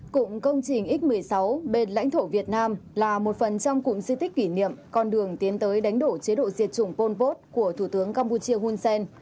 cụm công trình x một mươi sáu bên lãnh thổ việt nam là một phần trong cụm di tích kỷ niệm con đường tiến tới đánh đổ chế độ diệt chủng pol pot của thủ tướng campuchia hun sen